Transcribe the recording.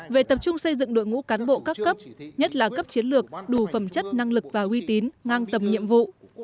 về tập trung xây dựng đội ngũ cán bộ các cấp nhất là cấp chiến lược đủ phẩm chất năng lực và uy tín ngang tầm nhiệm vụ